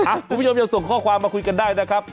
อ่ะกูพี่ยอมยอมส่งข้อความมาคุยกันได้นะครับ